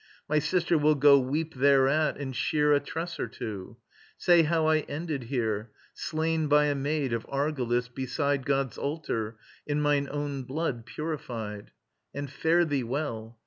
My sister will go weep thereat, and shear A tress or two. Say how I ended here, Slain by a maid of Argolis, beside God's altar, in mine own blood purified. And fare thee well.